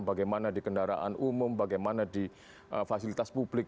bagaimana di kendaraan umum bagaimana di fasilitas publik